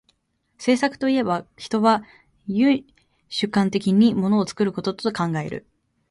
製作といえば、人は唯主観的に物を作ることと考える。